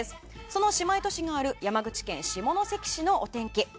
その姉妹都市がある山口県下関市のお天気。